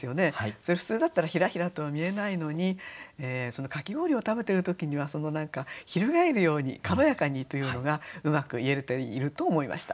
それ普通だったらひらひらとは見えないのにかき氷を食べている時には翻るように軽やかにというのがうまくいえていると思いました。